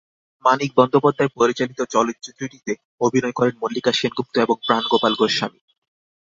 মানিক বন্দ্যোপাধ্যায় পরিচালিত চলচ্চিত্রটিতে অভিনয় করেন মল্লিকা সেনগুপ্ত এবং প্রাণগোপাল গোস্বামী।